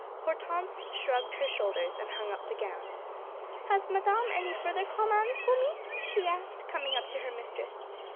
Hortense shrugged her shoulders, and hung up the gown. "Has Madame any further commands for me?" she asked, coming up to her mistress.